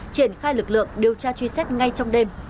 triển khai lực lượng điều tra truy xét ngay trong đêm